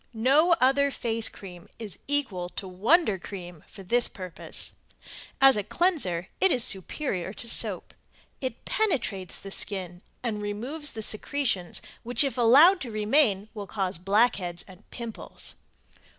No other face cream is equal to Wonder Cream for this purpose. As a cleanser it is superior to soap. It penetrates the skin and removes the secretions which if allowed to remain will cause blackheads and pimples.